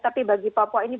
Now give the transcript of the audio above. tapi bagi papua ini